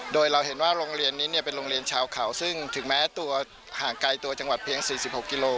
โดยเราเห็นนี่เป็นโรงเรียนชาวเข่าที่ถึงแม้ตัวห่างไกลตัวจังหวัดเพียง๔๖กิโล